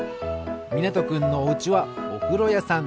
みなとくんのおうちはおふろやさん。